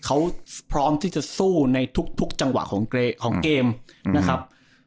เขาพร้อมที่จะสู้ในทุกจังหวะของเกมนะครับ